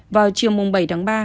vào chiều mùng bảy tháng ba